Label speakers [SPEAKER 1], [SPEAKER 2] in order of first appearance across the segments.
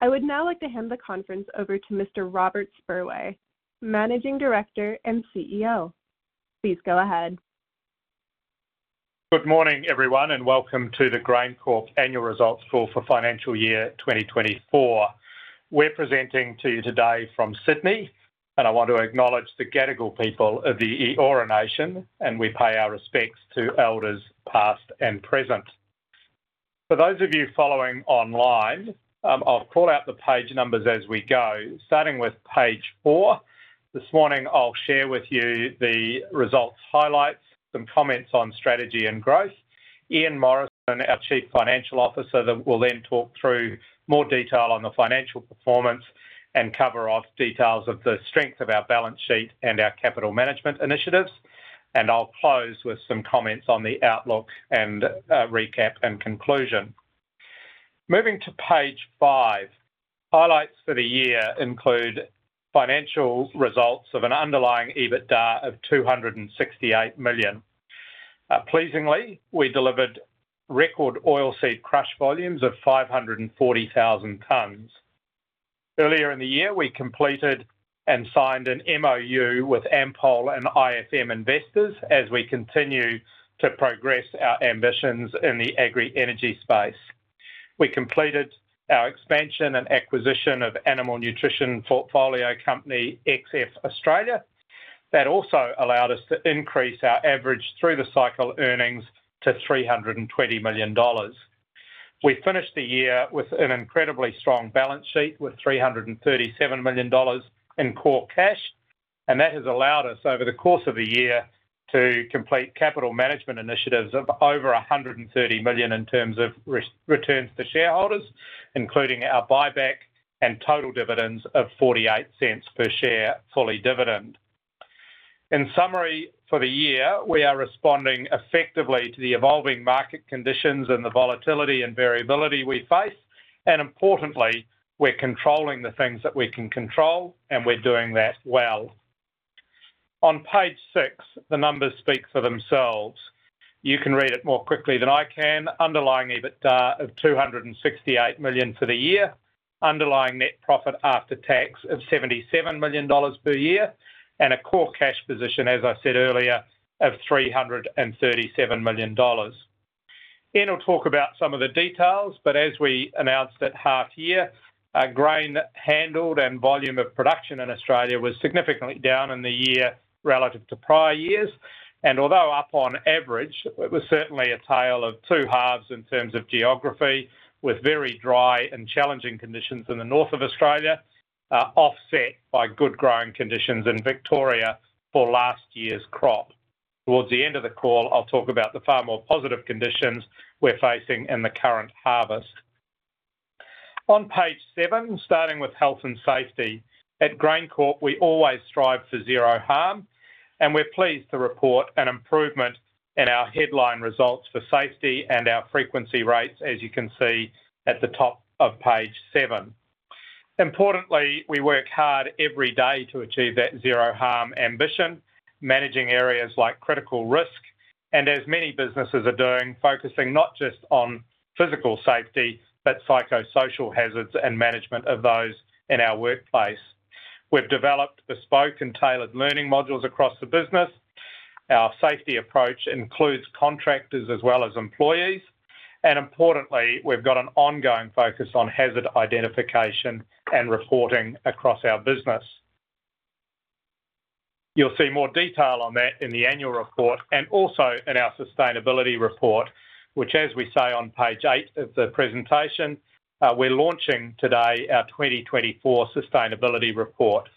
[SPEAKER 1] I would now like to hand the conference over to Mr. Robert Spurway, Managing Director and CEO. Please go ahead.
[SPEAKER 2] Good morning, everyone, and welcome to the GrainCorp Annual Results Forum for financial year 2024. We're presenting to you today from Sydney, and I want to acknowledge the Gadigal people of the Eora Nation, and we pay our respects to elders past and present. For those of you following online, I'll call out the page numbers as we go, starting with page four. This morning, I'll share with you the results highlights, some comments on strategy and growth. Ian Morrison, our Chief Financial Officer, will then talk through more detail on the financial performance and cover off details of the strength of our balance sheet and our capital management initiatives. And I'll close with some comments on the outlook and recap and conclusion. Moving to page five, highlights for the year include financial results of an underlying EBITDA of 268 million. Pleasingly, we delivered record oilseed crush volumes of 540,000 tonnes. Earlier in the year, we completed and signed an MoU with Ampol and IFM Investors as we continue to progress our ambitions in the agri-energy space. We completed our expansion and acquisition of animal nutrition portfolio company XF Australia. That also allowed us to increase our average through-the-cycle earnings to $320 million. We finished the year with an incredibly strong balance sheet with $337 million in core cash, and that has allowed us over the course of the year to complete capital management initiatives of over 130 million in terms of returns to shareholders, including our buyback and total dividends of 0.48 per share fully franked. In summary, for the year, we are responding effectively to the evolving market conditions and the volatility and variability we face. Importantly, we're controlling the things that we can control, and we're doing that well. On page six, the numbers speak for themselves. You can read it more quickly than I can. Underlying EBITDA of 268 million for the year, underlying net profit after tax of $77 million per year, and a core cash position, as I said earlier, of $337 million. Ian will talk about some of the details, but as we announced at half year, grain handled and volume of production in Australia was significantly down in the year relative to prior years. Although up on average, it was certainly a tale of two halves in terms of geography, with very dry and challenging conditions in the north of Australia, offset by good growing conditions in Victoria for last year's crop. Towards the end of the call, I'll talk about the far more positive conditions we're facing in the current harvest. On page seven, starting with health and safety, at GrainCorp, we always strive for zero harm, and we're pleased to report an improvement in our headline results for safety and our frequency rates, as you can see at the top of page seven. Importantly, we work hard every day to achieve that zero harm ambition, managing areas like critical risk, and as many businesses are doing, focusing not just on physical safety, but psychosocial hazards and management of those in our workplace. We've developed bespoke and tailored learning modules across the business. Our safety approach includes contractors as well as employees. And importantly, we've got an ongoing focus on hazard identification and reporting across our business. You'll see more detail on that in the annual report and also in our sustainability report, which, as we say on page eight of the presentation, we're launching today our 2024 sustainability report.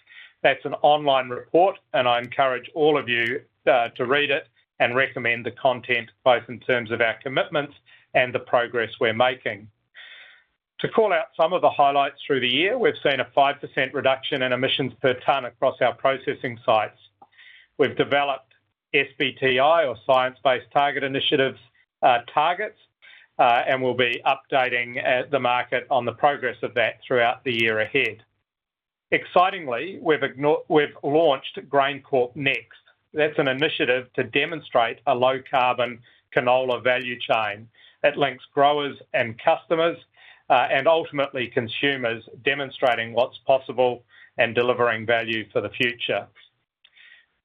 [SPEAKER 2] That's an online report, and I encourage all of you to read it and recommend the content both in terms of our commitments and the progress we're making. To call out some of the highlights through the year, we've seen a 5% reduction in emissions per tonne across our processing sites. We've developed SBTi, or Science-Based Target Initiatives, targets, and we'll be updating the market on the progress of that throughout the year ahead. Excitingly, we've launched GrainCorp Next. That's an initiative to demonstrate a low-carbon canola value chain. It links growers and customers and ultimately consumers, demonstrating what's possible and delivering value for the future.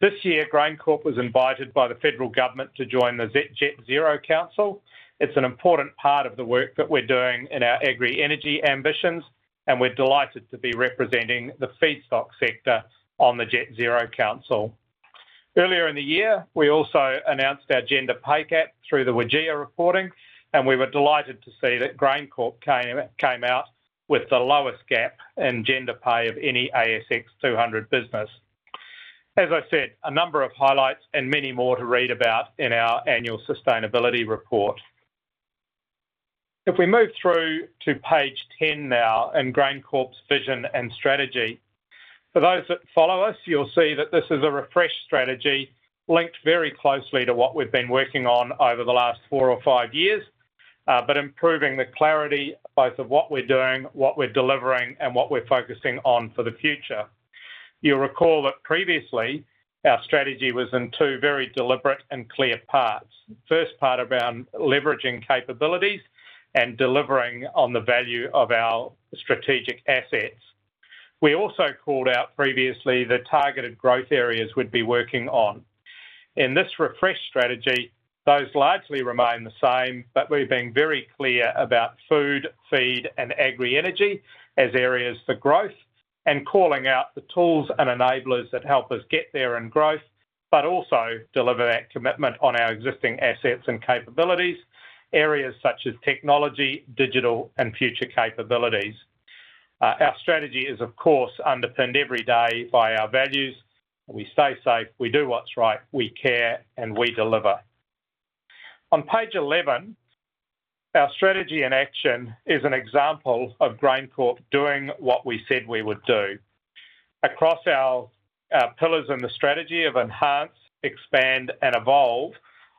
[SPEAKER 2] This year, GrainCorp was invited by the federal government to join the Jet Zero Council. It's an important part of the work that we're doing in our agri-energy ambitions, and we're delighted to be representing the feedstock sector on the Jet Zero Council. Earlier in the year, we also announced our gender pay gap through the WGEA reporting, and we were delighted to see that GrainCorp came out with the lowest gap in gender pay of any ASX 200 business. As I said, a number of highlights and many more to read about in our annual sustainability report. If we move through to page 10 now in GrainCorp's vision and strategy, for those that follow us, you'll see that this is a refreshed strategy linked very closely to what we've been working on over the last four or five years, but improving the clarity both of what we're doing, what we're delivering, and what we're focusing on for the future. You'll recall that previously our strategy was in two very deliberate and clear parts. First part around leveraging capabilities and delivering on the value of our strategic assets. We also called out previously the targeted growth areas we'd be working on. In this refreshed strategy, those largely remain the same, but we've been very clear about food, feed, and agri-energy as areas for growth and calling out the tools and enablers that help us get there in growth, but also deliver that commitment on our existing assets and capabilities, areas such as technology, digital, and future capabilities. Our strategy is, of course, underpinned every day by our values. We stay safe, we do what's right, we care, and we deliver. On page 11, our strategy and action is an example of GrainCorp doing what we said we would do. Across our pillars in the strategy of enhance, expand, and evolve,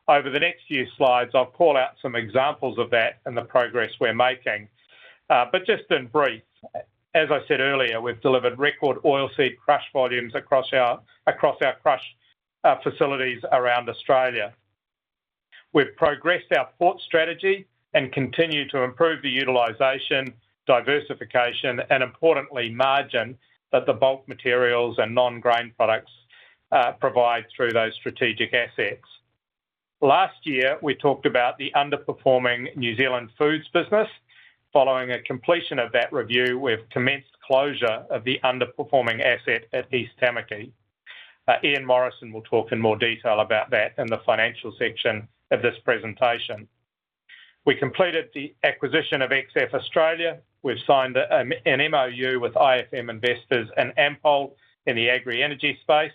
[SPEAKER 2] over the next few slides, I'll call out some examples of that and the progress we're making, but just in brief, as I said earlier, we've delivered record oilseed crush volumes across our crush facilities around Australia. We've progressed our port strategy and continue to improve the utilization, diversification, and importantly, margin that the bulk materials and non-grain products provide through those strategic assets. Last year, we talked about the underperforming New Zealand foods business. Following a completion of that review, we've commenced closure of the underperforming asset at East Tamaki. Ian Morrison will talk in more detail about that in the financial section of this presentation. We completed the acquisition of XF Australia. We've signed an MoU with IFM Investors and Ampol in the agri-energy space,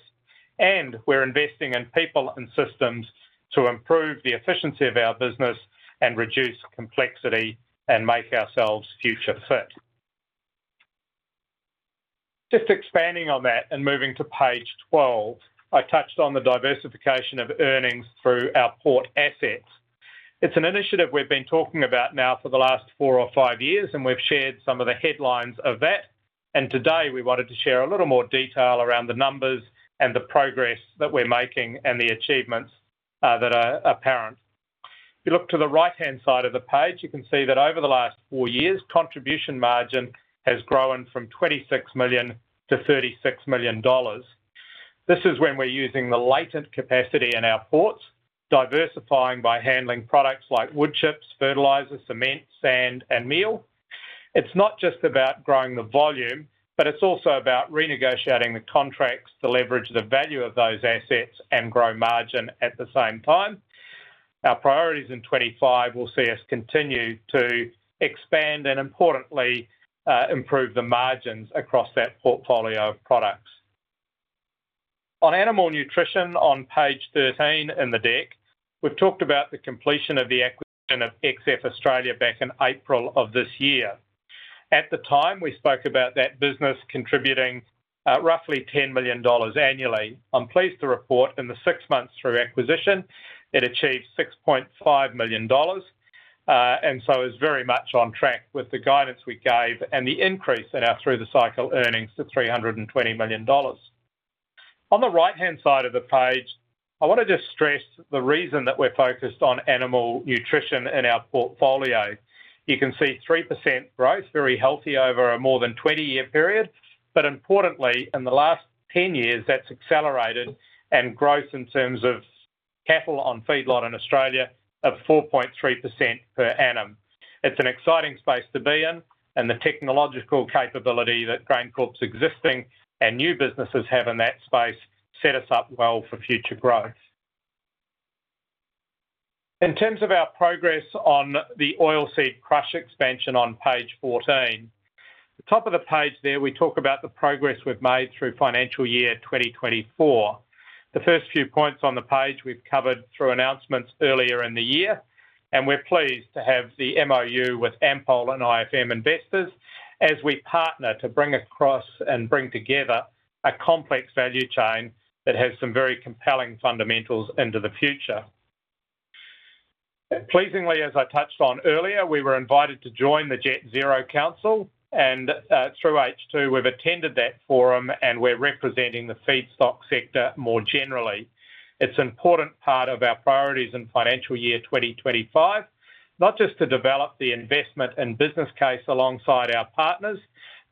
[SPEAKER 2] and we're investing in people and systems to improve the efficiency of our business and reduce complexity and make ourselves future fit. Just expanding on that and moving to page 12, I touched on the diversification of earnings through our port assets. It's an initiative we've been talking about now for the last four or five years, and we've shared some of the headlines of that. And today, we wanted to share a little more detail around the numbers and the progress that we're making and the achievements that are apparent. If you look to the right-hand side of the page, you can see that over the last four years, contribution margin has grown from $26 million-$36 million. This is when we're using the latent capacity in our ports, diversifying by handling products like wood chips, fertilizer, cement, sand, and meal. It's not just about growing the volume, but it's also about renegotiating the contracts to leverage the value of those assets and grow margin at the same time. Our priorities in 25 will see us continue to expand and, importantly, improve the margins across that portfolio of products. On animal nutrition, on page 13 in the deck, we've talked about the completion of the acquisition of XF Australia back in April of this year. At the time, we spoke about that business contributing roughly $10 million annually. I'm pleased to report in the six months through acquisition, it achieved $6.5 million, and so is very much on track with the guidance we gave and the increase in our through-the-cycle earnings to $320 million. On the right-hand side of the page, I want to just stress the reason that we're focused on animal nutrition in our portfolio. You can see 3% growth, very healthy over a more than 20-year period, but importantly, in the last 10 years, that's accelerated and growth in terms of cattle on feedlot in Australia of 4.3% per annum. It's an exciting space to be in, and the technological capability that GrainCorp's existing and new businesses have in that space set us up well for future growth. In terms of our progress on the oilseed crush expansion on page 14, top of the page there, we talk about the progress we've made through financial year 2024. The first few points on the page we've covered through announcements earlier in the year, and we're pleased to have the MoU with Ampol and IFM Investors as we partner to bring across and bring together a complex value chain that has some very compelling fundamentals into the future. Pleasingly, as I touched on earlier, we were invited to join the Jet Zero Council, and through H2, we've attended that forum, and we're representing the feedstock sector more generally. It's an important part of our priorities in financial year 2025, not just to develop the investment and business case alongside our partners,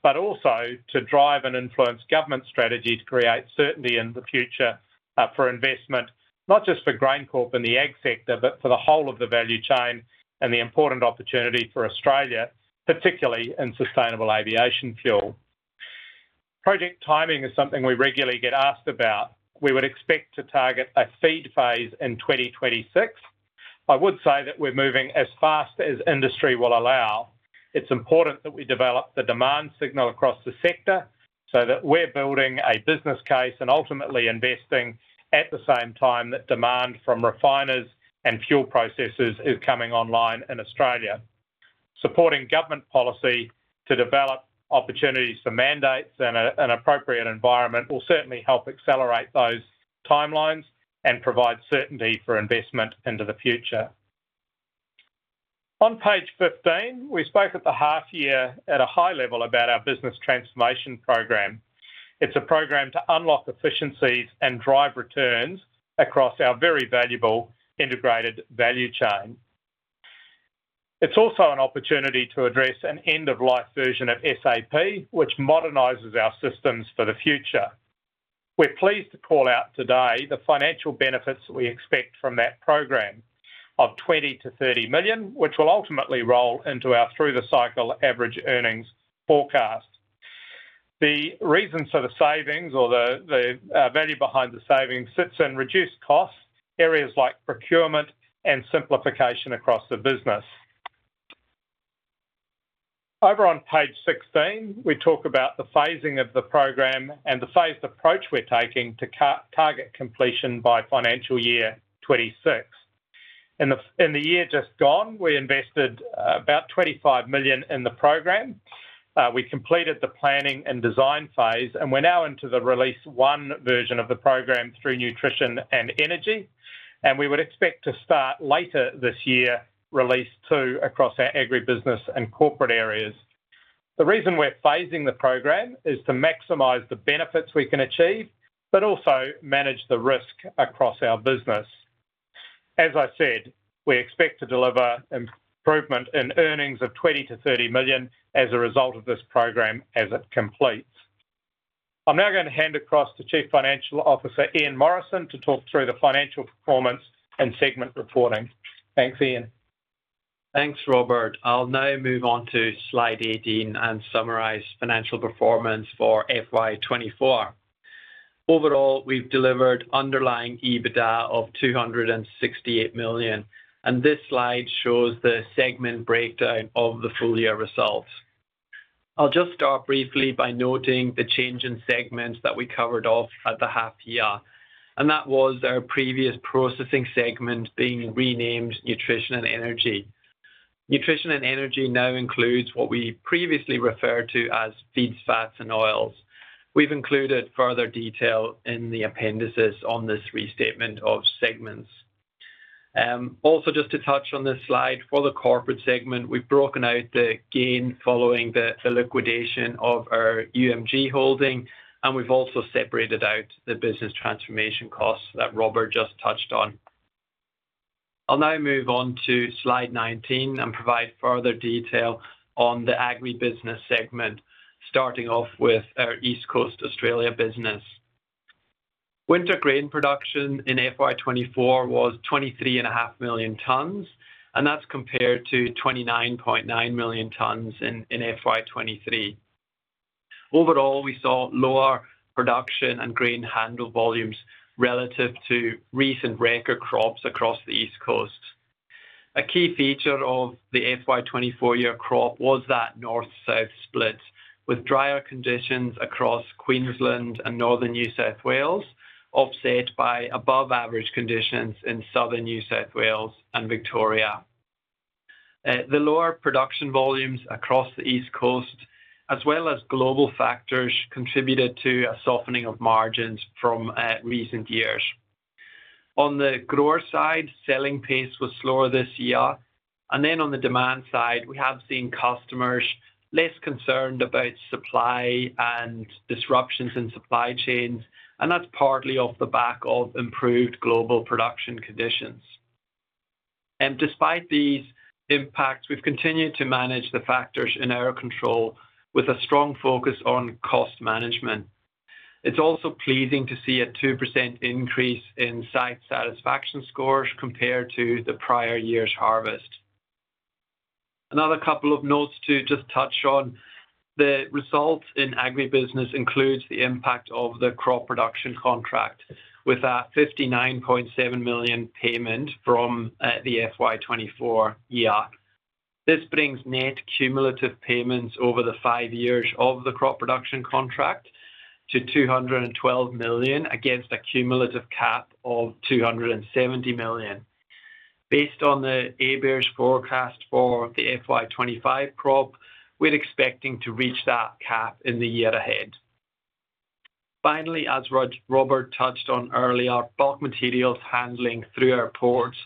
[SPEAKER 2] but also to drive and influence government strategy to create certainty in the future for investment, not just for GrainCorp in the ag sector, but for the whole of the value chain and the important opportunity for Australia, particularly in sustainable aviation fuel. Project timing is something we regularly get asked about. We would expect to target a FEED phase in 2026. I would say that we're moving as fast as industry will allow. It's important that we develop the demand signal across the sector so that we're building a business case and ultimately investing at the same time that demand from refiners and fuel processors is coming online in Australia. Supporting government policy to develop opportunities for mandates and an appropriate environment will certainly help accelerate those timelines and provide certainty for investment into the future. On page 15, we spoke at the half year at a high level about our business transformation program. It's a program to unlock efficiencies and drive returns across our very valuable integrated value chain. It's also an opportunity to address an end-of-life version of SAP, which modernizes our systems for the future. We're pleased to call out today the financial benefits we expect from that program of 20 million-30 million, which will ultimately roll into our through-the-cycle average earnings forecast. The reason for the savings or the value behind the savings sits in reduced costs, areas like procurement and simplification across the business. Over on page 16, we talk about the phasing of the program and the phased approach we're taking to target completion by financial year 26. In the year just gone, we invested about 25 million in the program. We completed the planning and design phase, and we're now into the release one version of the program through nutrition and energy, and we would expect to start later this year release two across our agribusiness and corporate areas. The reason we're phasing the program is to maximize the benefits we can achieve, but also manage the risk across our business. As I said, we expect to deliver improvement in earnings of 20 million-30 million as a result of this program as it completes. I'm now going to hand across to Chief Financial Officer Ian Morrison to talk through the financial performance and segment reporting. Thanks, Ian.
[SPEAKER 3] Thanks, Robert. I'll now move on to slide 18 and summarize financial performance for FY24. Overall, we've delivered underlying EBITDA of 268 million, and this slide shows the segment breakdown of the full year results. I'll just start briefly by noting the change in segments that we covered off at the half year, and that was our previous processing segment being renamed nutrition and energy. Nutrition and energy now includes what we previously referred to as feeds, fats, and oils. We've included further detail in the appendices on this restatement of segments. Also, just to touch on this slide, for the corporate segment, we've broken out the gain following the liquidation of our UMG holding, and we've also separated out the business transformation costs that Robert just touched on. I'll now move on to slide 19 and provide further detail on the agribusiness segment, starting off with our East Coast Australia business. Winter grain production in FY24 was 23.5 million tonnes, and that's compared to 29.9 million tonnes in FY23. Overall, we saw lower production and grain handling volumes relative to recent record crops across the East Coast. A key feature of the FY24 crop year was that north-south split with drier conditions across Queensland and northern New South Wales, offset by above-average conditions in southern New South Wales and Victoria. The lower production volumes across the East Coast, as well as global factors, contributed to a softening of margins from recent years. On the grower side, selling pace was slower this year, and then on the demand side, we have seen customers less concerned about supply and disruptions in supply chains, and that's partly off the back of improved global production conditions. Despite these impacts, we've continued to manage the factors in our control with a strong focus on cost management. It's also pleasing to see a 2% increase in site satisfaction scores compared to the prior year's harvest. Another couple of notes to just touch on. The result in agribusiness includes the impact of the crop production contract with a 59.7 million payment from the FY24 year. This brings net cumulative payments over the five years of the crop production contract to 212 million against a cumulative cap of 270 million. Based on the ABARES's forecast for the FY25 crop, we're expecting to reach that cap in the year ahead. Finally, as Robert touched on earlier, bulk materials handling through our ports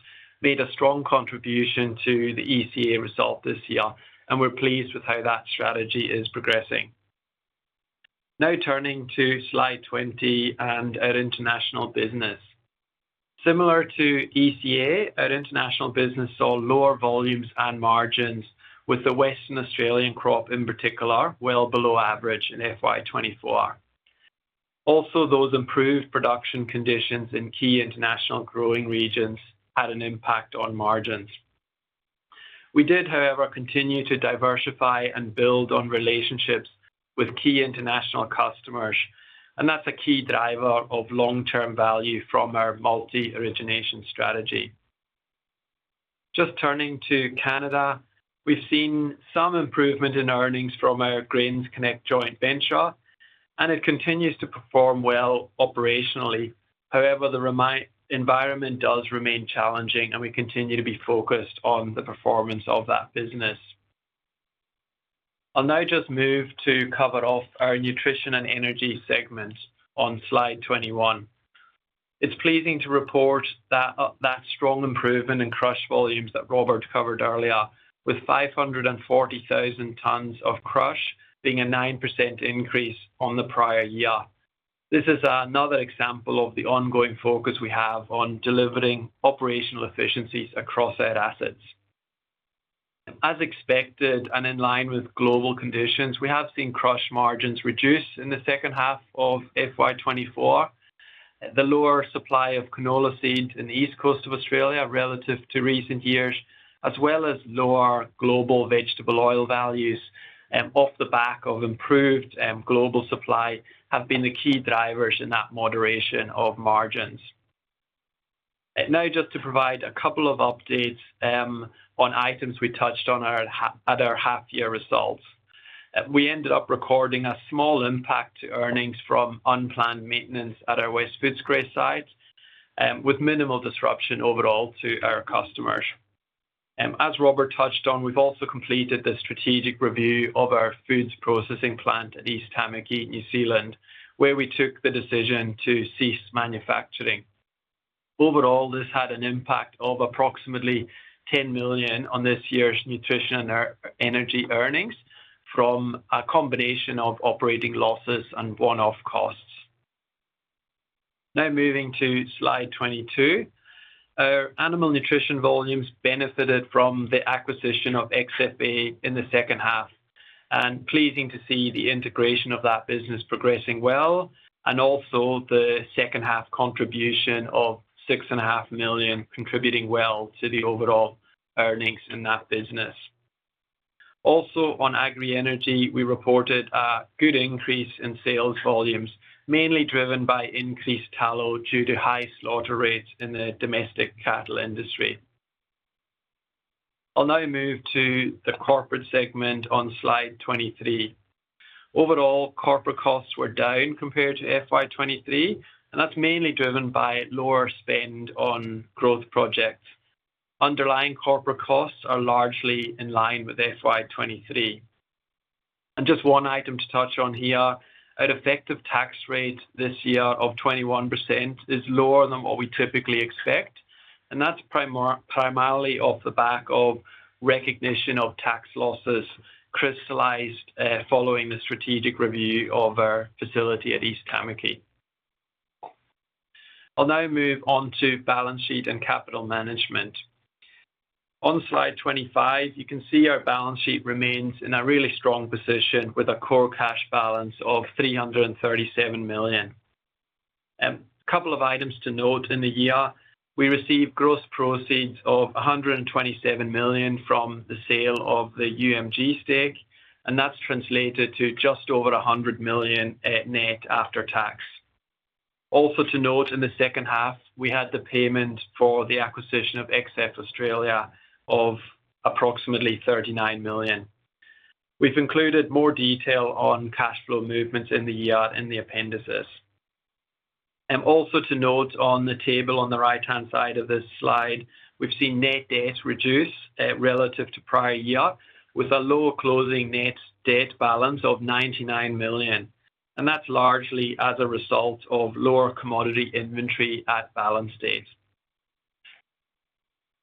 [SPEAKER 3] made a strong contribution to the ECA result this year, and we're pleased with how that strategy is progressing. Now turning to slide 20 and our international business. Similar to ECA, our international business saw lower volumes and margins, with the Western Australian crop in particular well below average in FY24. Also, those improved production conditions in key international growing regions had an impact on margins. We did, however, continue to diversify and build on relationships with key international customers, and that's a key driver of long-term value from our multi-origination strategy. Just turning to Canada, we've seen some improvement in earnings from our GrainsConnect joint venture, and it continues to perform well operationally. However, the environment does remain challenging, and we continue to be focused on the performance of that business. I'll now just move to cover off our nutrition and energy segment on slide 21. It's pleasing to report that that strong improvement in crush volumes that Robert covered earlier, with 540,000 tonnes of crush being a 9% increase on the prior year. This is another example of the ongoing focus we have on delivering operational efficiencies across our assets. As expected and in line with global conditions, we have seen crush margins reduce in the second half of FY24. The lower supply of canola seeds in the East Coast of Australia relative to recent years, as well as lower global vegetable oil values off the back of improved global supply, have been the key drivers in that moderation of margins. Now, just to provide a couple of updates on items we touched on at our half-year results, we ended up recording a small impact to earnings from unplanned maintenance at our West Footscray site, with minimal disruption overall to our customers. As Robert touched on, we've also completed the strategic review of our foods processing plant at East Tamaki, New Zealand, where we took the decision to cease manufacturing. Overall, this had an impact of approximately 10 million on this year's nutrition and energy earnings from a combination of operating losses and one-off costs. Now moving to slide 22, our animal nutrition volumes benefited from the acquisition of XFA in the second half, and pleasing to see the integration of that business progressing well, and also the second-half contribution of 6.5 million contributing well to the overall earnings in that business. Also, on agri energy, we reported a good increase in sales volumes, mainly driven by increased tallow due to high slaughter rates in the domestic cattle industry. I'll now move to the corporate segment on slide 23. Overall, corporate costs were down compared to FY23, and that's mainly driven by lower spend on growth projects. Underlying corporate costs are largely in line with FY23. Just one item to touch on here, our effective tax rate this year of 21% is lower than what we typically expect, and that's primarily off the back of recognition of tax losses crystallized following the strategic review of our facility at East Tamaki. I'll now move on to balance sheet and capital management. On slide 25, you can see our balance sheet remains in a really strong position with a core cash balance of $337 million. A couple of items to note in the year, we received gross proceeds of $127 million from the sale of the UMG stake, and that's translated to just over $100 million net after tax. Also to note, in the second half, we had the payment for the acquisition of XF Australia of approximately $39 million. We've included more detail on cash flow movements in the year in the appendices. Also to note on the table on the right-hand side of this slide, we've seen net debt reduce relative to prior year with a lower closing net debt balance of 99 million, and that's largely as a result of lower commodity inventory at balance date.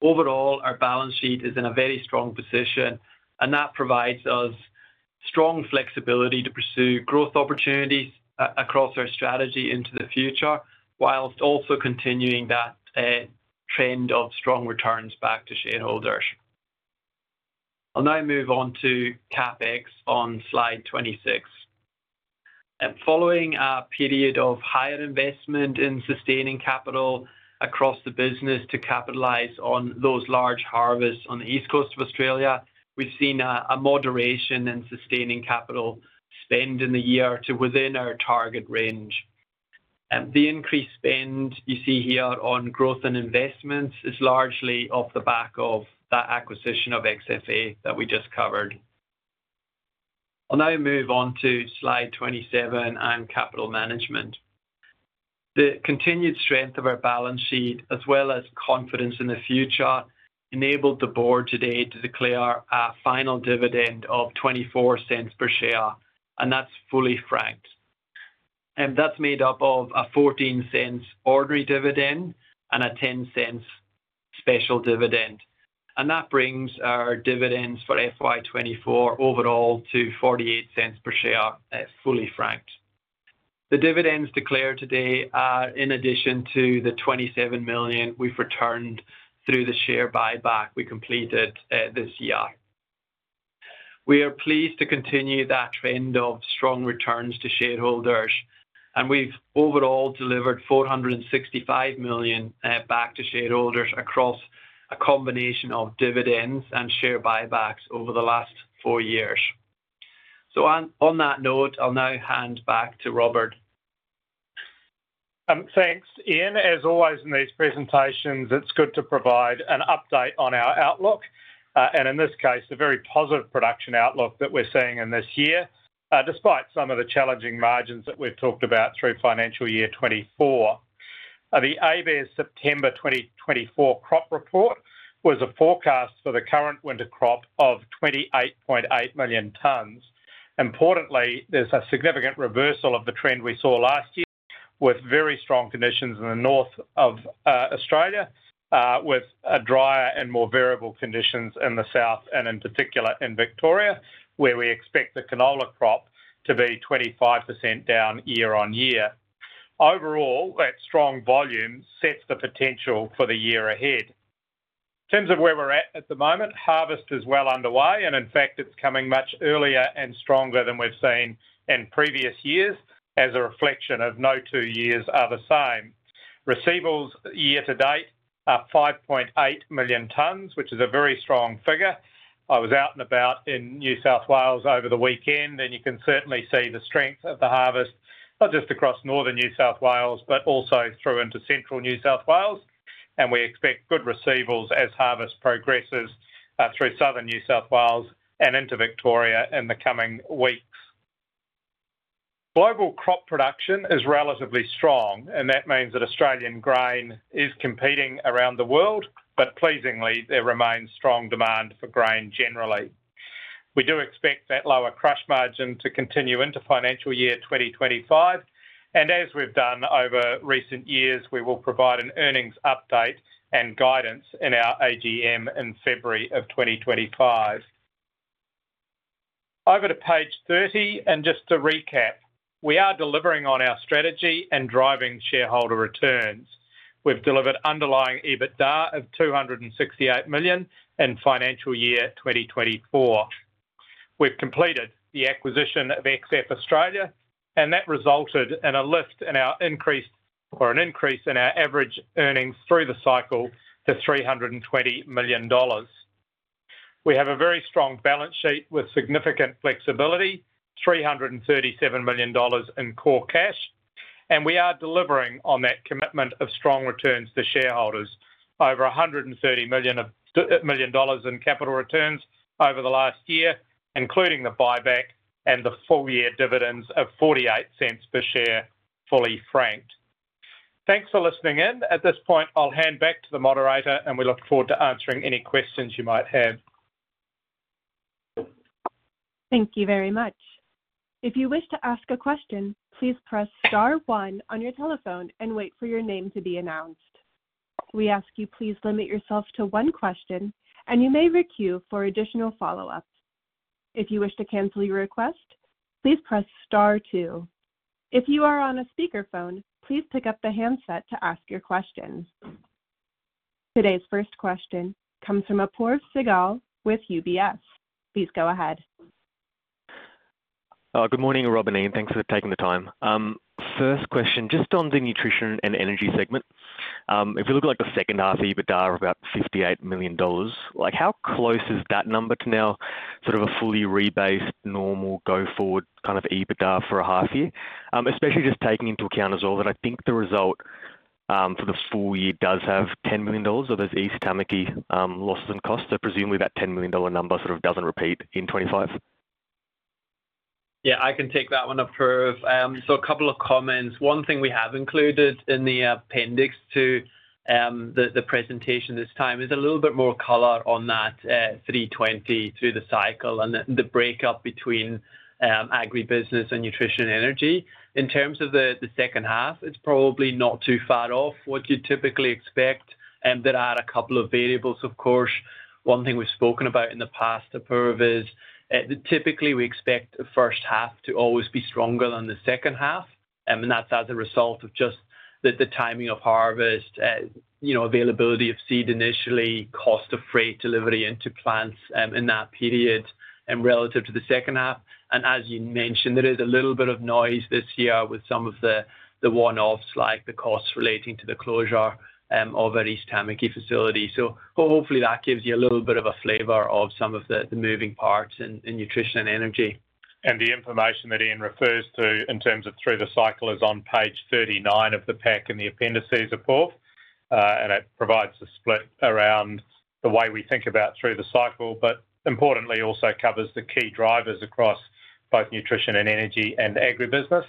[SPEAKER 3] Overall, our balance sheet is in a very strong position, and that provides us strong flexibility to pursue growth opportunities across our strategy into the future, while also continuing that trend of strong returns back to shareholders. I'll now move on to CapEx on slide 26. Following a period of higher investment in sustaining capital across the business to capitalize on those large harvests on the East Coast of Australia, we've seen a moderation in sustaining capital spend in the year to within our target range. The increased spend you see here on growth and investments is largely off the back of that acquisition of XFA that we just covered. I'll now move on to slide 27 and capital management. The continued strength of our balance sheet, as well as confidence in the future, enabled the board today to declare a final dividend of 0.24 per share, and that's fully franked. That's made up of a 0.14 ordinary dividend and a 0.10 special dividend, and that brings our dividends for FY24 overall to 0.48 per share, fully franked. The dividends declared today are in addition to the 27 million we've returned through the share buyback we completed this year. We are pleased to continue that trend of strong returns to shareholders, and we've overall delivered 465 million back to shareholders across a combination of dividends and share buybacks over the last four years. So on that note, I'll now hand back to Robert.
[SPEAKER 2] Thanks, Ian. As always in these presentations, it's good to provide an update on our outlook, and in this case, a very positive production outlook that we're seeing in this year, despite some of the challenging margins that we've talked about through financial year 24. The ABARES's September 2024 crop report was a forecast for the current winter crop of 28.8 million tonnes. Importantly, there's a significant reversal of the trend we saw last year, with very strong conditions in the north of Australia, with drier and more variable conditions in the south, and in particular in Victoria, where we expect the canola crop to be 25% down year on year. Overall, that strong volume sets the potential for the year ahead. In terms of where we're at at the moment, harvest is well underway, and in fact, it's coming much earlier and stronger than we've seen in previous years, as a reflection of no two years are the same. Receivables year to date are 5.8 million tonnes, which is a very strong figure. I was out and about in New South Wales over the weekend, and you can certainly see the strength of the harvest, not just across northern New South Wales, but also through into central New South Wales, and we expect good receivables as harvest progresses through southern New South Wales and into Victoria in the coming weeks. Global crop production is relatively strong, and that means that Australian grain is competing around the world, but pleasingly, there remains strong demand for grain generally. We do expect that lower crush margin to continue into financial year 2025, and as we've done over recent years, we will provide an earnings update and guidance in our AGM in February of 2025. Over to page 30, and just to recap, we are delivering on our strategy and driving shareholder returns. We've delivered underlying EBITDA of $268 million in financial year 2024. We've completed the acquisition of XF Australia, and that resulted in an increase in our average earnings through the cycle to $320 million. We have a very strong balance sheet with significant flexibility, $337 million in core cash, and we are delivering on that commitment of strong returns to shareholders, over $130 million in capital returns over the last year, including the buyback and the full year dividends of $0.48 per share, fully franked. Thanks for listening in. At this point, I'll hand back to the moderator, and we look forward to answering any questions you might have.
[SPEAKER 1] Thank you very much. If you wish to ask a question, please press star one on your telephone and wait for your name to be announced. We ask you please limit yourself to one question, and you may require for additional follow-up. If you wish to cancel your request, please press star two. If you are on a speakerphone, please pick up the handset to ask your question. Today's first question comes from Apoorv Sehgal with UBS. Please go ahead.
[SPEAKER 4] Good morning, Rob and Ian. Thanks for taking the time. First question, just on the nutrition and energy segment, if you look at the second half of EBITDA of about 58 million dollars, how close is that number to now sort of a fully rebased normal go-forward kind of EBITDA for a half year, especially just taking into account us all that I think the result for the full year does have 10 million dollars of those East Tamaki losses and costs. So presumably that 10 million dollar number sort of doesn't repeat in 2025.
[SPEAKER 3] Yeah, I can take that one, Apoorv. So a couple of comments. One thing we have included in the appendix to the presentation this time is a little bit more color on that 320 through the cycle and the breakup between agribusiness and nutrition and energy. In terms of the second half, it's probably not too far off what you typically expect, and there are a couple of variables, of course. One thing we've spoken about in the past, Apoorv, is that typically we expect the first half to always be stronger than the second half, and that's as a result of just the timing of harvest, availability of seed initially, cost of freight delivery into plants in that period relative to the second half. And as you mentioned, there is a little bit of noise this year with some of the one-offs like the costs relating to the closure of our East Tamaki facility. So hopefully that gives you a little bit of a flavor of some of the moving parts in nutrition and energy.
[SPEAKER 2] And the information that Ian refers to in terms of through the cycle is on page 39 of the pack and the appendices of both, and it provides a split around the way we think about through the cycle, but importantly also covers the key drivers across both nutrition and energy and agribusiness,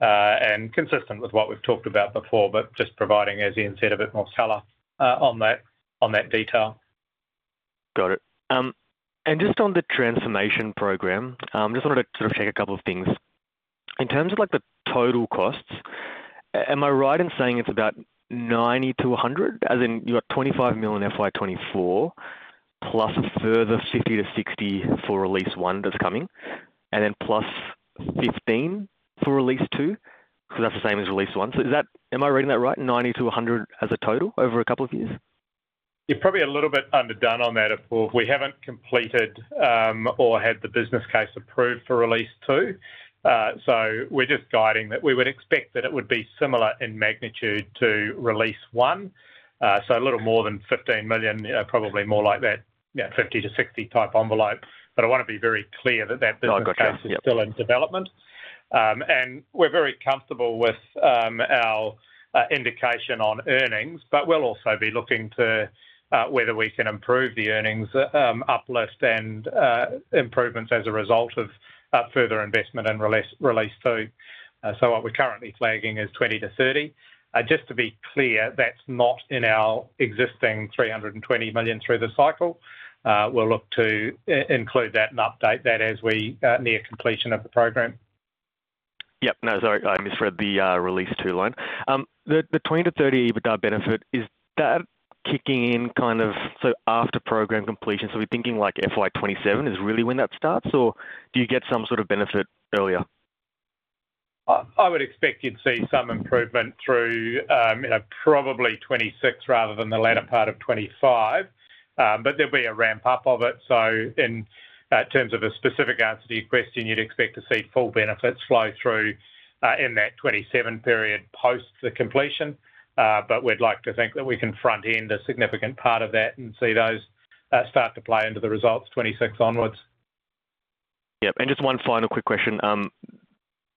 [SPEAKER 2] and consistent with what we've talked about before, but just providing, as Ian said, a bit more color on that detail.
[SPEAKER 4] Got it. And just on the transformation program, I just wanted to sort of check a couple of things. In terms of the total costs, am I right in saying it's about 90-100, as in you've got 25 million in FY24 plus a further 50-60 for release one that's coming, and then plus 15 for release two, because that's the same as release one? So am I reading that right, 90-100 as a total over a couple of years?
[SPEAKER 2] You're probably a little bit underdone on that, Apoorv. We haven't completed or had the business case approved for release two. So we're just guiding that we would expect that it would be similar in magnitude to release one, so a little more than 15 million, probably more like that, 50-60 type envelope. But I want to be very clear that that business case is still in development. And we're very comfortable with our indication on earnings, but we'll also be looking to whether we can improve the earnings, uplift and improvements as a result of further investment in release two. So what we're currently flagging is 20-30. Just to be clear, that's not in our existing 320 million through-the-cycle. We'll look to include that and update that as we near completion of the program.
[SPEAKER 4] Yep, no, sorry, I misread the release two line. The $20-$30 EBITDA benefit, is that kicking in kind of so after program completion? So we're thinking like FY 2027 is really when that starts, or do you get some sort of benefit earlier?
[SPEAKER 2] I would expect you'd see some improvement through probably 2026 rather than the latter part of 2025, but there'll be a ramp up of it. So in terms of a specific answer to your question, you'd expect to see full benefits flow through in that 2027 period post the completion, but we'd like to think that we can front-end a significant part of that and see those start to play into the results 2026 onwards.
[SPEAKER 4] Yep. And just one final quick question.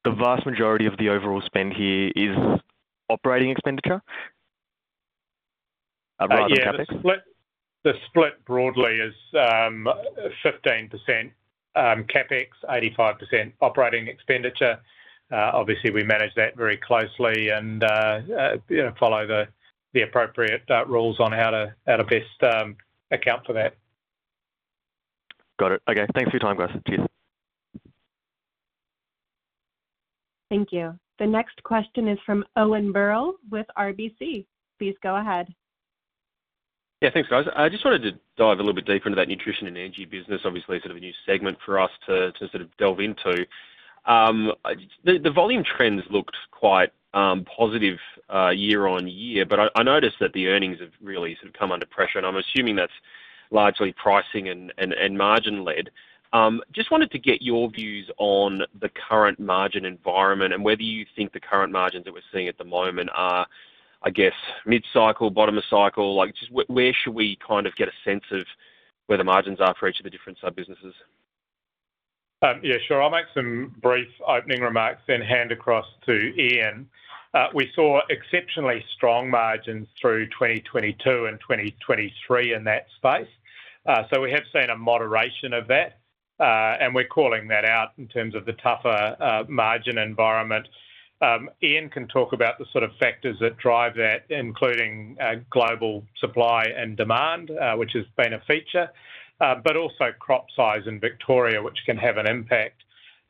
[SPEAKER 4] The vast majority of the overall spend here is operating expenditure, rather than CapEx?
[SPEAKER 2] The split broadly is 15% CapEx, 85% operating expenditure. Obviously, we manage that very closely and follow the appropriate rules on how to best account for that.
[SPEAKER 4] Got it. Okay, thanks for your time, guys. Cheers.
[SPEAKER 1] Thank you. The next question is from Owen Birrell with RBC. Please go ahead.
[SPEAKER 5] Yeah, thanks, guys. I just wanted to dive a little bit deeper into that nutrition and energy business. Obviously, sort of a new segment for us to sort of delve into. The volume trends looked quite positive year on year, but I noticed that the earnings have really sort of come under pressure, and I'm assuming that's largely pricing and margin-led. Just wanted to get your views on the current margin environment and whether you think the current margins that we're seeing at the moment are, I guess, mid-cycle, bottom of cycle. Just where should we kind of get a sense of where the margins are for each of the different sub-businesses?
[SPEAKER 2] Yeah, sure. I'll make some brief opening remarks then hand across to Ian. We saw exceptionally strong margins through 2022 and 2023 in that space. So we have seen a moderation of that, and we're calling that out in terms of the tougher margin environment. Ian can talk about the sort of factors that drive that, including global supply and demand, which has been a feature, but also crop size in Victoria, which can have an impact.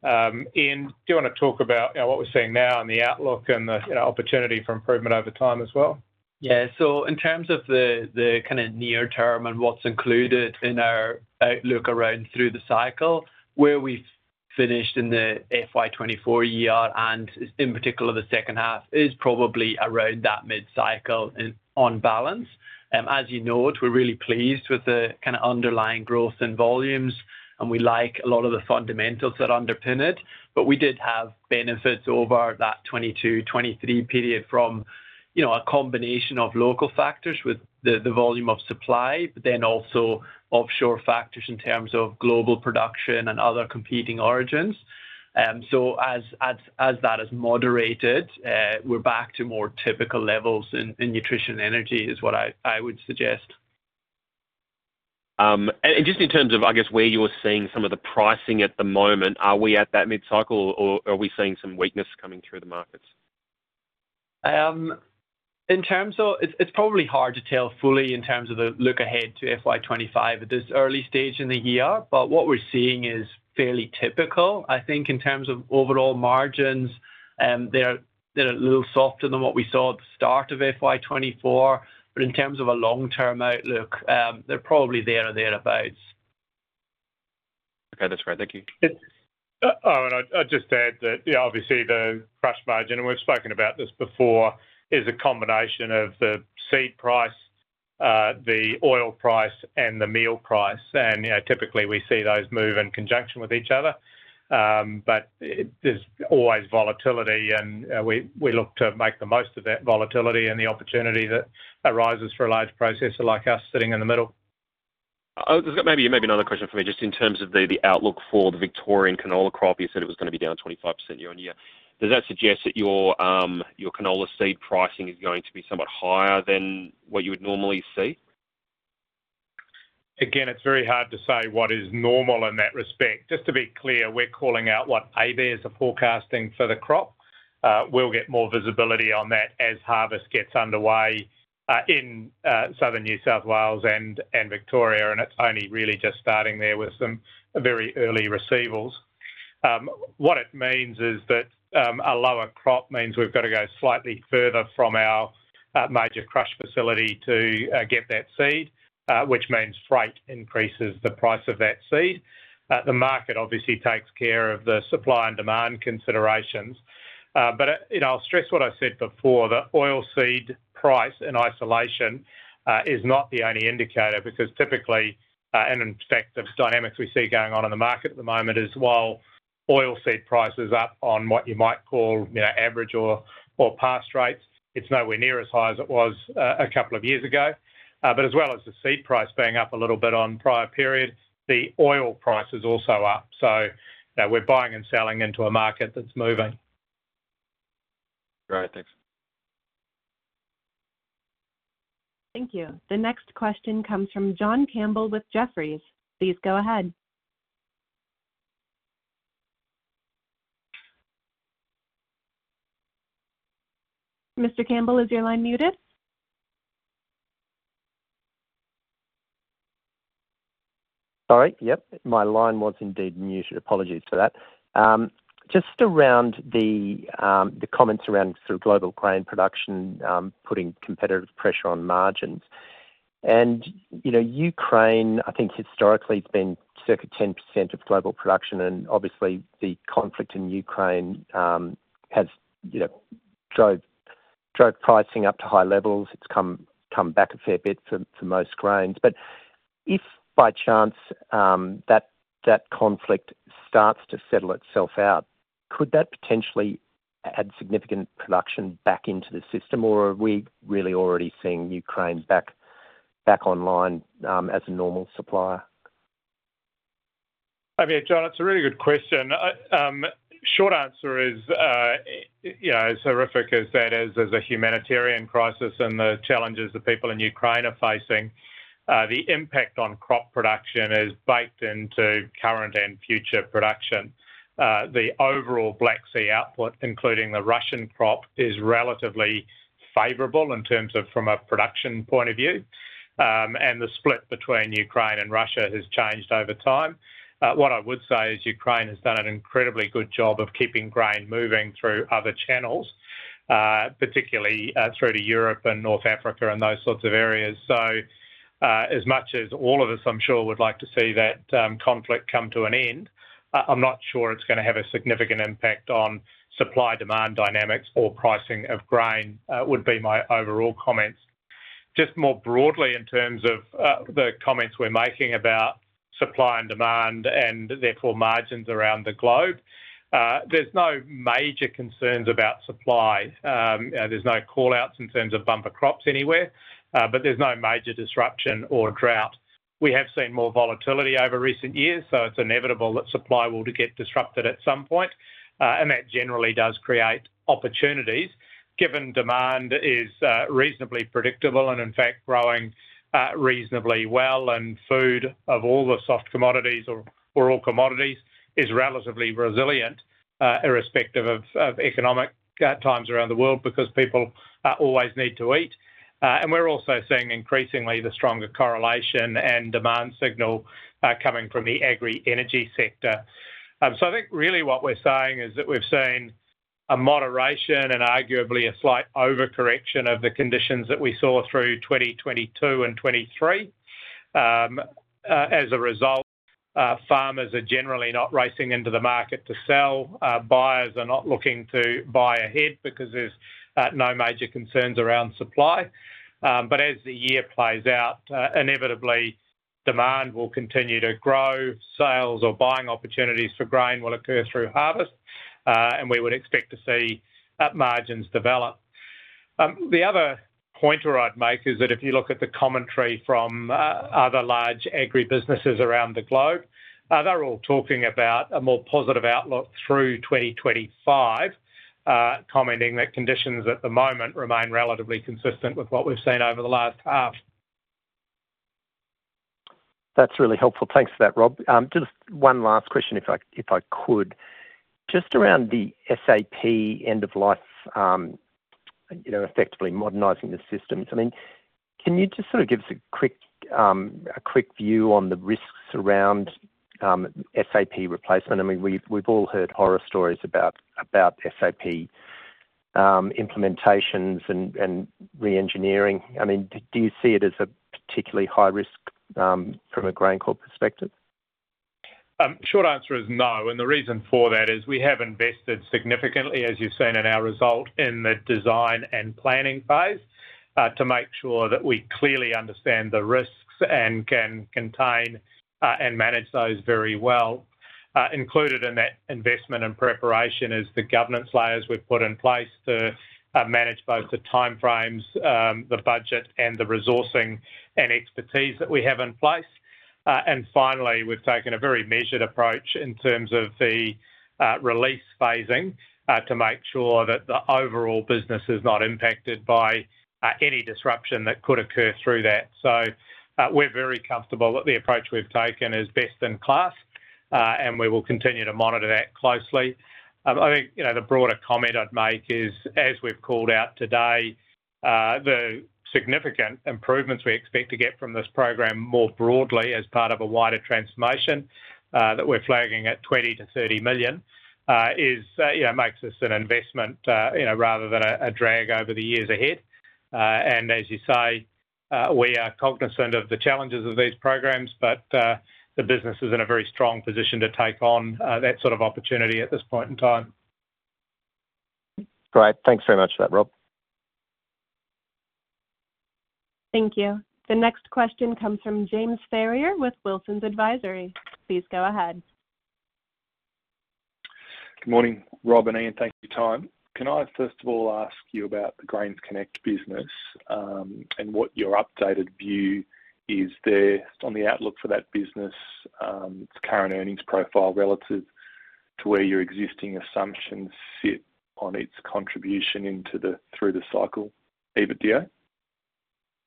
[SPEAKER 2] Ian, do you want to talk about what we're seeing now and the outlook and the opportunity for improvement over time as well?
[SPEAKER 3] Yeah. So in terms of the kind of near-term and what's included in our outlook around through the cycle, where we've finished in the FY24 year and in particular the second half is probably around that mid-cycle on balance. As you know, we're really pleased with the kind of underlying growth and volumes, and we like a lot of the fundamentals that underpin it, but we did have benefits over that 2022, 2023 period from a combination of local factors with the volume of supply, but then also offshore factors in terms of global production and other competing origins. So as that has moderated, we're back to more typical levels in nutrition and energy, which is what I would suggest.
[SPEAKER 5] Just in terms of, I guess, where you're seeing some of the pricing at the moment, are we at that mid-cycle or are we seeing some weakness coming through the markets?
[SPEAKER 3] It's probably hard to tell fully in terms of the look ahead to FY25 at this early stage in the year, but what we're seeing is fairly typical. I think in terms of overall margins, they're a little softer than what we saw at the start of FY24, but in terms of a long-term outlook, they're probably there or thereabouts.
[SPEAKER 5] Okay, that's great. Thank you.
[SPEAKER 2] I'll just add that, yeah, obviously the crush margin, and we've spoken about this before, is a combination of the seed price, the oil price, and the meal price. Typically we see those move in conjunction with each other, but there's always volatility, and we look to make the most of that volatility and the opportunity that arises for a large processor like us sitting in the middle.
[SPEAKER 5] Maybe another question for me, just in terms of the outlook for the Victorian canola crop, you said it was going to be down 25% year on year. Does that suggest that your canola seed pricing is going to be somewhat higher than what you would normally see?
[SPEAKER 2] Again, it's very hard to say what is normal in that respect. Just to be clear, we're calling out what ABARES is forecasting for the crop. We'll get more visibility on that as harvest gets underway in southern New South Wales and Victoria, and it's only really just starting there with some very early receivables. What it means is that a lower crop means we've got to go slightly further from our major crush facility to get that seed, which means freight increases the price of that seed. The market obviously takes care of the supply and demand considerations, but I'll stress what I said before, the oilseed price in isolation is not the only indicator because typically, an effect of dynamics we see going on in the market at the moment is while oilseed prices up on what you might call average or past rates, it's nowhere near as high as it was a couple of years ago. But as well as the seed price being up a little bit on prior period, the oil price is also up. So we're buying and selling into a market that's moving.
[SPEAKER 5] Great, thanks. Thank you.
[SPEAKER 1] The next question comes from John Campbell with Jefferies. Please go ahead. Mr. Campbell, is your line muted?
[SPEAKER 6] Sorry, yep, my line was indeed muted. Apologies for that. Just around the comments around sort of global grain production putting competitive pressure on margins. And Ukraine, I think historically has been circa 10% of global production, and obviously the conflict in Ukraine has drove pricing up to high levels. It's come back a fair bit for most grains. But if by chance that conflict starts to settle itself out, could that potentially add significant production back into the system, or are we really already seeing Ukraine back online as a normal supplier?
[SPEAKER 2] I mean, John, it's a really good question. Short answer is, yeah, as horrific as that is, as a humanitarian crisis and the challenges that people in Ukraine are facing, the impact on crop production is baked into current and future production. The overall Black Sea output, including the Russian crop, is relatively favorable in terms of from a production point of view, and the split between Ukraine and Russia has changed over time. What I would say is Ukraine has done an incredibly good job of keeping grain moving through other channels, particularly through to Europe and North Africa and those sorts of areas. So as much as all of us, I'm sure, would like to see that conflict come to an end, I'm not sure it's going to have a significant impact on supply-demand dynamics or pricing of grain. Would be my overall comments. Just more broadly in terms of the comments we're making about supply and demand and therefore margins around the globe, there's no major concerns about supply. There's no callouts in terms of bumper crops anywhere, but there's no major disruption or drought. We have seen more volatility over recent years, so it's inevitable that supply will get disrupted at some point, and that generally does create opportunities. Given demand is reasonably predictable and in fact growing reasonably well, and food, of all the soft commodities or all commodities, is relatively resilient irrespective of economic times around the world because people always need to eat, and we're also seeing increasingly the stronger correlation and demand signal coming from the agri-energy sector, so I think really what we're saying is that we've seen a moderation and arguably a slight overcorrection of the conditions that we saw through 2022 and 2023. As a result, farmers are generally not racing into the market to sell. Buyers are not looking to buy ahead because there's no major concerns around supply, but as the year plays out, inevitably demand will continue to grow. Sales or buying opportunities for grain will occur through harvest, and we would expect to see margins develop. The other pointer I'd make is that if you look at the commentary from other large agri-businesses around the globe, they're all talking about a more positive outlook through 2025, commenting that conditions at the moment remain relatively consistent with what we've seen over the last half.
[SPEAKER 6] That's really helpful. Thanks for that, Rob. Just one last question, if I could. Just around the SAP end-of-life, effectively modernizing the systems. I mean, can you just sort of give us a quick view on the risks around SAP replacement? I mean, we've all heard horror stories about SAP implementations and re-engineering. I mean, do you see it as a particularly high risk from a GrainCorp perspective?
[SPEAKER 2] Short answer is no. The reason for that is we have invested significantly, as you've seen in our result, in the design and planning phase to make sure that we clearly understand the risks and can contain and manage those very well. Included in that investment and preparation is the governance layers we've put in place to manage both the timeframes, the budget, and the resourcing and expertise that we have in place. Finally, we've taken a very measured approach in terms of the release phasing to make sure that the overall business is not impacted by any disruption that could occur through that. We're very comfortable that the approach we've taken is best in class, and we will continue to monitor that closely. I think the broader comment I'd make is, as we've called out today, the significant improvements we expect to get from this program more broadly as part of a wider transformation that we're flagging at 20 million-30 million makes us an investment rather than a drag over the years ahead, and as you say, we are cognizant of the challenges of these programs, but the business is in a very strong position to take on that sort of opportunity at this point in time.
[SPEAKER 1] Great. Thanks very much for that, Rob. Thank you. The next question comes from James Ferrier with Wilsons Advisory. Please go ahead.
[SPEAKER 7] Good morning, Rob and Ian. Thank you for your time. Can I first of all ask you about the GrainsConnect business and what your updated view is there on the outlook for that business, its current earnings profile relative to where your existing assumptions sit on its contribution through the cycle? Ian, do you?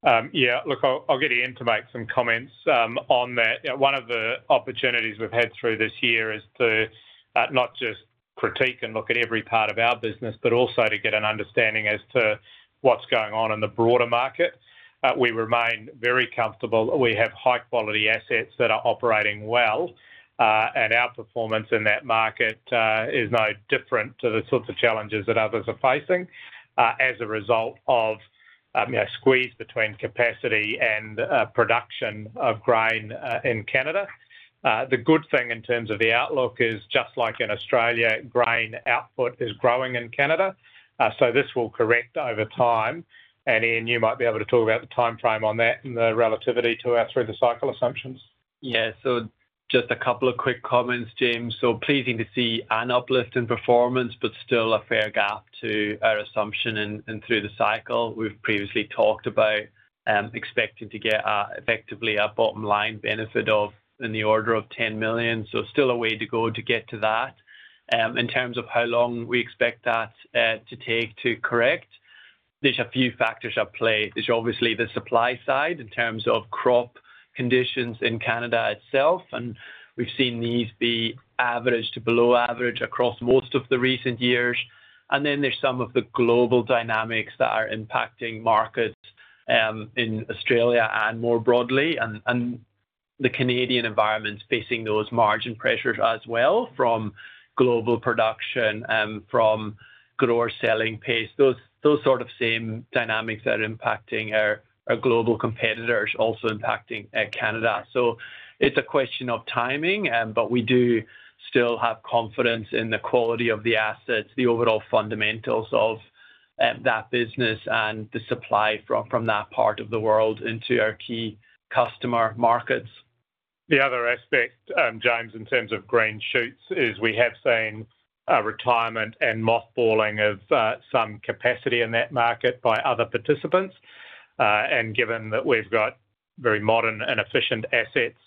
[SPEAKER 2] Yeah, look, I'll get Ian to make some comments on that. One of the opportunities we've had through this year is to not just critique and look at every part of our business, but also to get an understanding as to what's going on in the broader market. We remain very comfortable that we have high-quality assets that are operating well, and our performance in that market is no different to the sorts of challenges that others are facing as a result of squeeze between capacity and production of grain in Canada. The good thing in terms of the outlook is, just like in Australia, grain output is growing in Canada, so this will correct over time. Ian, you might be able to talk about the timeframe on that and the relativity to our through-the-cycle assumptions.
[SPEAKER 3] Yeah, so just a couple of quick comments, James. So pleasing to see an uplift in performance, but still a fair gap to our assumption and through-the-cycle. We've previously talked about expecting to get effectively our bottom line benefit of in the order of 10 million. So still a way to go to get to that. In terms of how long we expect that to take to correct, there's a few factors at play. There's obviously the supply side in terms of crop conditions in Canada itself, and we've seen these be average to below average across most of the recent years. And then there's some of the global dynamics that are impacting markets in Australia and more broadly, and the Canadian environment's facing those margin pressures as well from global production and from grower selling pace. Those sort of same dynamics that are impacting our global competitors also impacting Canada. So it's a question of timing, but we do still have confidence in the quality of the assets, the overall fundamentals of that business, and the supply from that part of the world into our key customer markets.
[SPEAKER 2] The other aspect, James, in terms of grain crush is we have seen retirement and mothballing of some capacity in that market by other participants. And given that we've got very modern and efficient assets,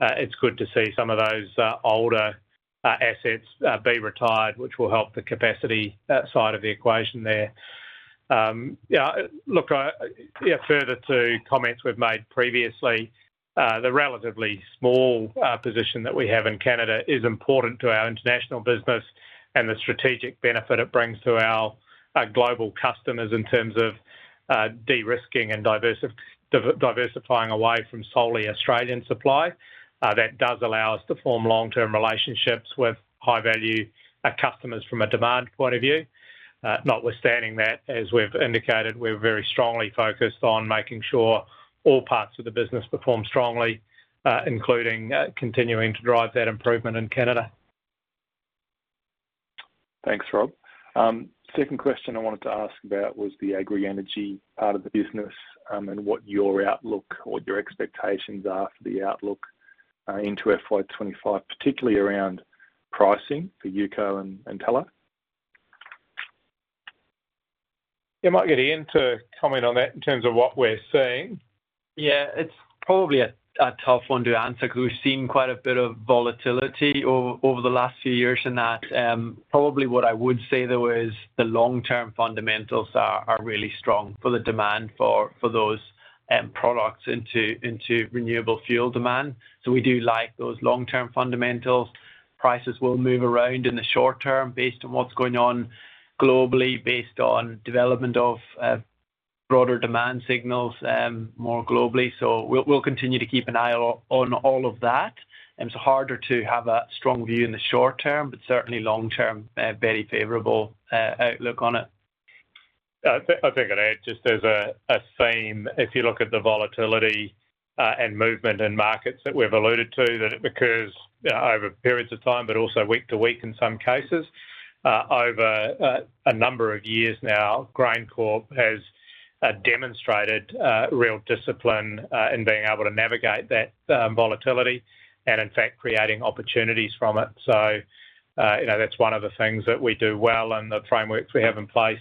[SPEAKER 2] it's good to see some of those older assets be retired, which will help the capacity side of the equation there. Look, further to comments we've made previously, the relatively small position that we have in Canada is important to our international business and the strategic benefit it brings to our global customers in terms of de-risking and diversifying away from solely Australian supply. That does allow us to form long-term relationships with high-value customers from a demand point of view. Notwithstanding that, as we've indicated, we're very strongly focused on making sure all parts of the business perform strongly, including continuing to drive that improvement in Canada.
[SPEAKER 7] Thanks, Rob. Second question I wanted to ask about was the agri-energy part of the business and what your outlook or what your expectations are for the outlook into FY25, particularly around pricing for UCO and tallow.
[SPEAKER 2] Yeah, might get Ian to comment on that in terms of what we're seeing. Yeah, it's probably a tough one to answer because we've seen quite a bit of volatility over the last few years in that. Probably what I would say though is the long-term fundamentals are really strong for the demand for those products into renewable fuel demand. So we do like those long-term fundamentals. Prices will move around in the short term based on what's going on globally, based on development of broader demand signals more globally. So we'll continue to keep an eye on all of that. It's harder to have a strong view in the short term, but certainly long-term, very favorable outlook on it. I think it just is a theme. If you look at the volatility and movement in markets that we've alluded to, that it occurs over periods of time, but also week to week in some cases. Over a number of years now, GrainCorp has demonstrated real discipline in being able to navigate that volatility and in fact creating opportunities from it, so that's one of the things that we do well, and the frameworks we have in place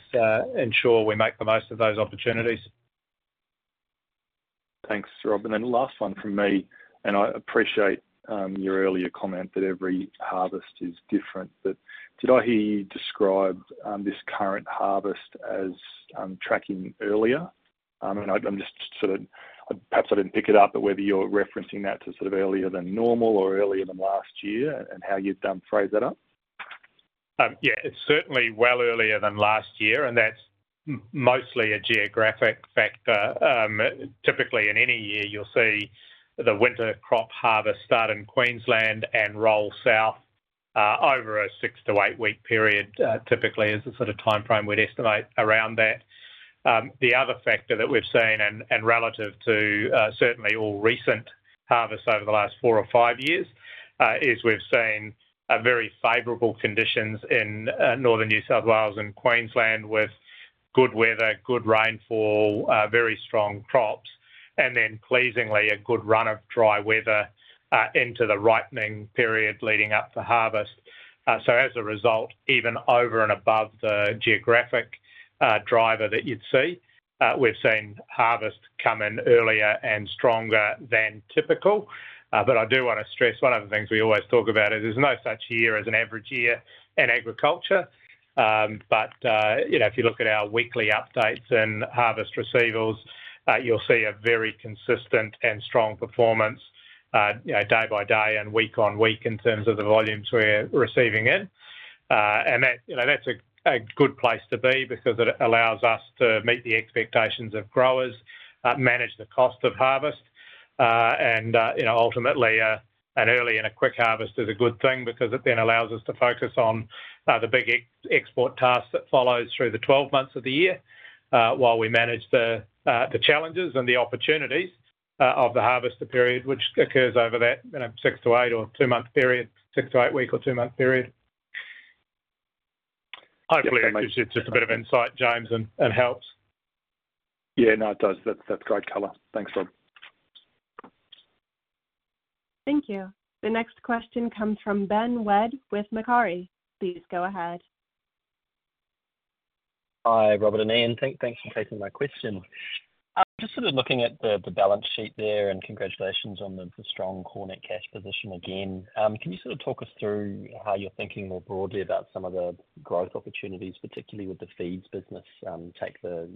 [SPEAKER 2] ensure we make the most of those opportunities.
[SPEAKER 7] Thanks, Rob, and then last one from me, and I appreciate your earlier comment that every harvest is different, but did I hear you describe this current harvest as tracking earlier? I mean, I'm just sort of perhaps I didn't pick it up, but whether you're referencing that to sort of earlier than normal or earlier than last year and how you've phrased that up?
[SPEAKER 2] Yeah, it's certainly well earlier than last year, and that's mostly a geographic factor. Typically, in any year, you'll see the winter crop harvest start in Queensland and roll south over a six to eight-week period. Typically, it's a sort of timeframe we'd estimate around that. The other factor that we've seen, and relative to certainly all recent harvests over the last four or five years, is we've seen very favorable conditions in northern New South Wales and Queensland with good weather, good rainfall, very strong crops, and then pleasingly a good run of dry weather into the ripening period leading up to harvest. So as a result, even over and above the geographic driver that you'd see, we've seen harvest come in earlier and stronger than typical. But I do want to stress one of the things we always talk about is there's no such year as an average year in agriculture. But if you look at our weekly updates and harvest receivals, you'll see a very consistent and strong performance day by day and week on week in terms of the volumes we're receiving in. And that's a good place to be because it allows us to meet the expectations of growers, manage the cost of harvest, and ultimately an early and a quick harvest is a good thing because it then allows us to focus on the big export tasks that follow through the 12 months of the year while we manage the challenges and the opportunities of the harvest period, which occurs over that six to eight or two-month period, six to eight-week or two-month period. Hopefully, it gives you just a bit of insight, James, and helps.
[SPEAKER 7] Yeah, no, it does. That's great, Ian. Thanks, Rob.
[SPEAKER 1] Thank you. The next question comes from Ben Wedd with Macquarie. Please go ahead.
[SPEAKER 8] Hi, Rob and Ian. Thanks for taking my question. Just sort of looking at the balance sheet there, and congratulations on the strong Core cash position again. Can you sort of talk us through how you're thinking more broadly about some of the growth opportunities, particularly with the feeds business, take the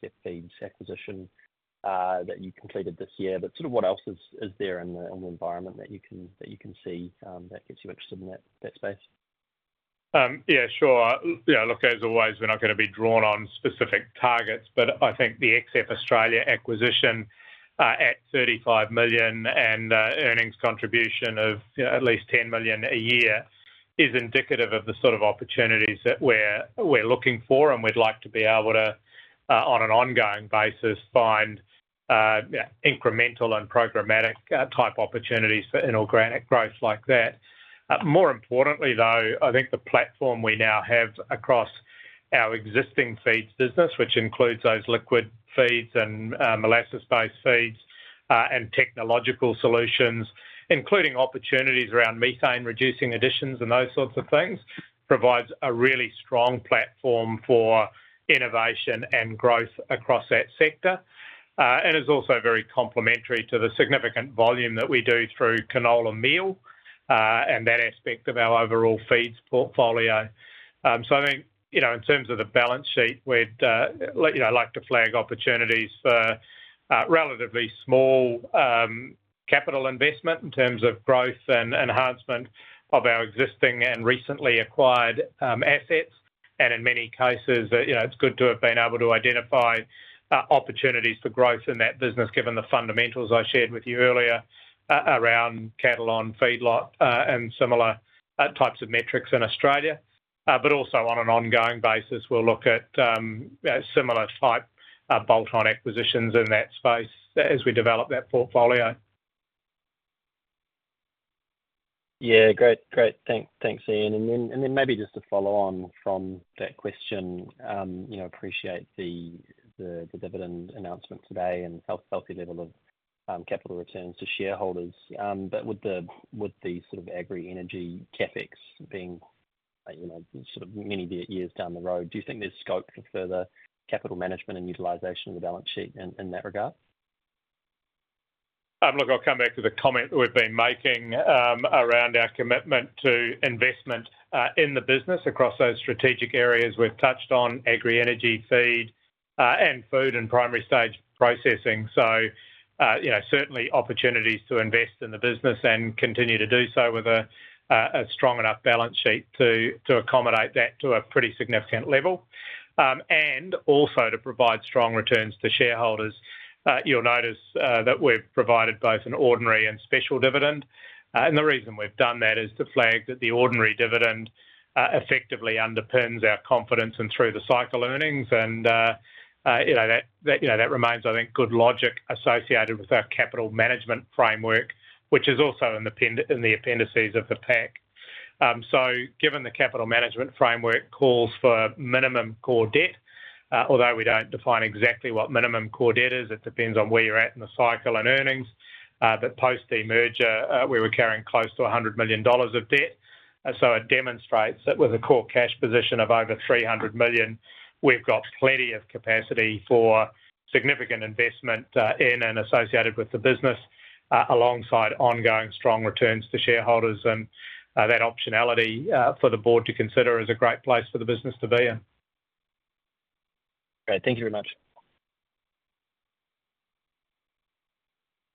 [SPEAKER 8] XF feeds acquisition that you completed this year, but sort of what else is there in the environment that you can see that gets you interested in that space?
[SPEAKER 2] Yeah, sure. Look, as always, we're not going to be drawn on specific targets, but I think the XF Australia acquisition at 35 million and earnings contribution of at least 10 million a year is indicative of the sort of opportunities that we're looking for, and we'd like to be able to, on an ongoing basis, find incremental and programmatic type opportunities for inorganic growth like that. More importantly, though, I think the platform we now have across our existing feeds business, which includes those liquid feeds and molasses-based feeds and technological solutions, including opportunities around methane-reducing additions and those sorts of things, provides a really strong platform for innovation and growth across that sector. And it's also very complementary to the significant volume that we do through canola meal and that aspect of our overall feeds portfolio. So I think in terms of the balance sheet, we'd like to flag opportunities for relatively small capital investment in terms of growth and enhancement of our existing and recently acquired assets. And in many cases, it's good to have been able to identify opportunities for growth in that business, given the fundamentals I shared with you earlier around cattle on feedlot and similar types of metrics in Australia. But also on an ongoing basis, we'll look at similar type bolt-on acquisitions in that space as we develop that portfolio.
[SPEAKER 8] Yeah, great. Great. Thanks, Ian. And then maybe just to follow on from that question, appreciate the dividend announcement today and the healthy level of capital returns to shareholders. But with the sort of agri-energy CapEx being sort of many years down the road, do you think there's scope for further capital management and utilization of the balance sheet in that regard?
[SPEAKER 2] Look, I'll come back to the comment that we've been making around our commitment to investment in the business across those strategic areas we've touched on: agri-energy, feed, and food and primary stage processing. So certainly opportunities to invest in the business and continue to do so with a strong enough balance sheet to accommodate that to a pretty significant level. And also to provide strong returns to shareholders. You'll notice that we've provided both an ordinary and special dividend. And the reason we've done that is to flag that the ordinary dividend effectively underpins our confidence and through-the-cycle earnings. And that remains, I think, good logic associated with our capital management framework, which is also in the appendices of the pack. So given the capital management framework calls for minimum core debt, although we don't define exactly what minimum core debt is, it depends on where you're at in the cycle and earnings. But post the merger, we were carrying close to 100 million dollars of debt. So it demonstrates that with a core cash position of over 300 million, we've got plenty of capacity for significant investment in and associated with the business alongside ongoing strong returns to shareholders. And that optionality for the board to consider is a great place for the business to be in.
[SPEAKER 8] Great. Thank you very much.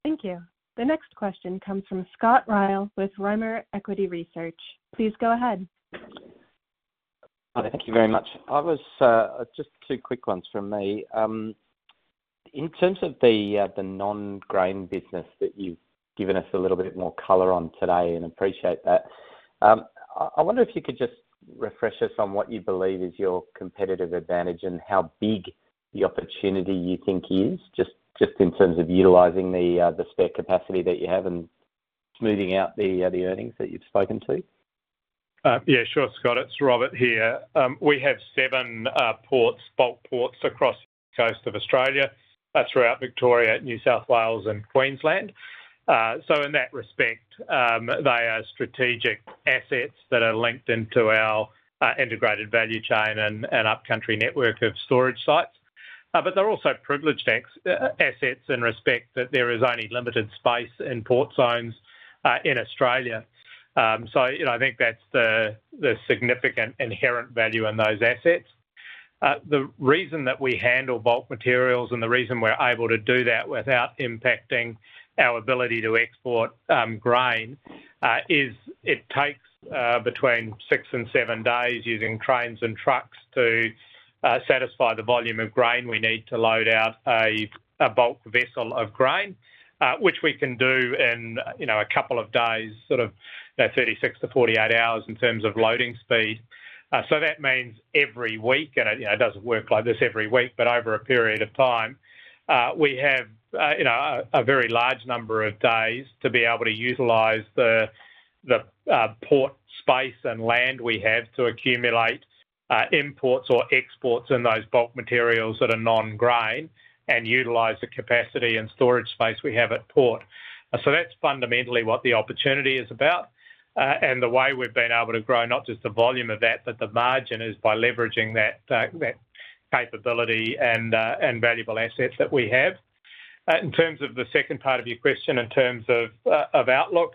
[SPEAKER 1] Thank you. The next question comes from Scott Ryall with Rimor Equity Research. Please go ahead.
[SPEAKER 9] Thank you very much. Just two quick ones from me. In terms of the non-grain business that you've given us a little bit more color on today, and appreciate that. I wonder if you could just refresh us on what you believe is your competitive advantage and how big the opportunity you think is, just in terms of utilizing the spare capacity that you have and smoothing out the earnings that you've spoken to.
[SPEAKER 2] Yeah, sure, Scott. It's Robert here. We have seven ports, bulk ports across the coast of Australia, throughout Victoria, New South Wales, and Queensland. So in that respect, they are strategic assets that are linked into our integrated value chain and upcountry network of storage sites. But they're also privileged assets in respect that there is only limited space in port zones in Australia. So I think that's the significant inherent value in those assets. The reason that we handle bulk materials and the reason we're able to do that without impacting our ability to export grain is it takes between six and seven days using trains and trucks to satisfy the volume of grain we need to load out a bulk vessel of grain, which we can do in a couple of days, sort of 36-48 hours in terms of loading speed. So that means every week, and it doesn't work like this every week, but over a period of time, we have a very large number of days to be able to utilize the port space and land we have to accumulate imports or exports in those bulk materials that are non-grain and utilize the capacity and storage space we have at port. So that's fundamentally what the opportunity is about. The way we've been able to grow not just the volume of that, but the margin is by leveraging that capability and valuable assets that we have. In terms of the second part of your question, in terms of outlook,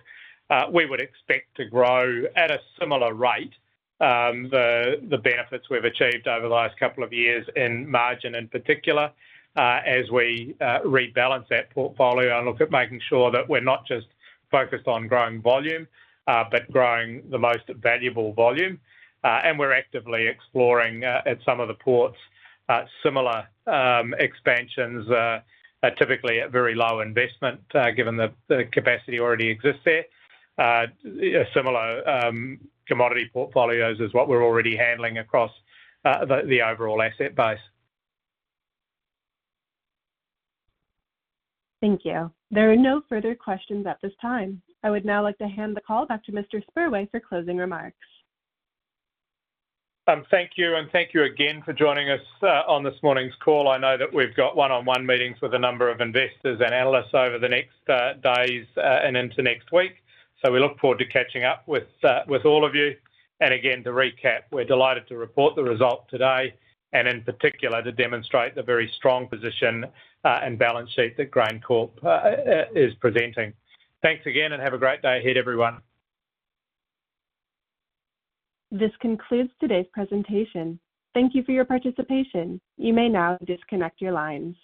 [SPEAKER 2] we would expect to grow at a similar rate. The benefits we've achieved over the last couple of years in margin in particular, as we rebalance that portfolio and look at making sure that we're not just focused on growing volume, but growing the most valuable volume. We're actively exploring at some of the ports similar expansions, typically at very low investment, given the capacity already exists there. Similar commodity portfolios is what we're already handling across the overall asset base.
[SPEAKER 1] Thank you. There are no further questions at this time. I would now like to hand the call back to Mr. Spurway for closing remarks.
[SPEAKER 2] Thank you. And thank you again for joining us on this morning's call. I know that we've got one-on-one meetings with a number of investors and analysts over the next days and into next week. So we look forward to catching up with all of you. And again, to recap, we're delighted to report the result today and in particular to demonstrate the very strong position and balance sheet that GrainCorp is presenting. Thanks again and have a great day ahead, everyone.
[SPEAKER 1] This concludes today's presentation. Thank you for your participation. You may now disconnect your lines.